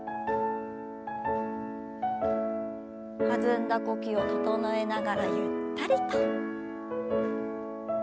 弾んだ呼吸を整えながらゆったりと。